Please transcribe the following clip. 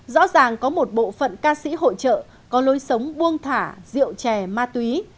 rõ ràng có một bộ phận ca sĩ hội trợ có lối sống buông thả rượu chè ma túy